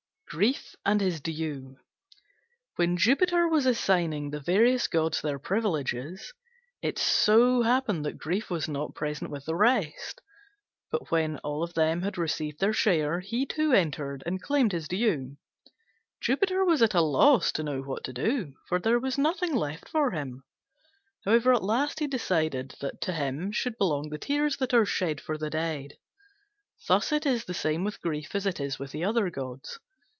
GRIEF AND HIS DUE When Jupiter was assigning the various gods their privileges, it so happened that Grief was not present with the rest: but when all had received their share, he too entered and claimed his due. Jupiter was at a loss to know what to do, for there was nothing left for him. However, at last he decided that to him should belong the tears that are shed for the dead. Thus it is the same with Grief as it is with the other gods.